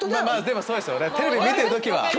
まぁでもそうですよねテレビ見てる時は。